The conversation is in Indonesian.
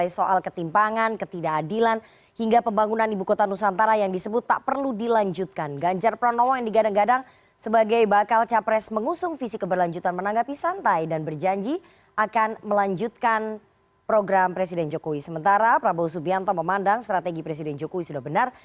sementara prabowo subianto memandang strategi presiden jokowi sudah benar